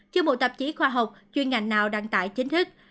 chưa một tạp chí khoa học chuyên ngành nào đăng tải chính thức